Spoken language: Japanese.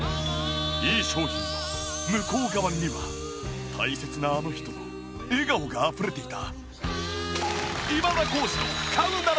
いい商品の向こう側には大切なあの人の笑顔があふれていた。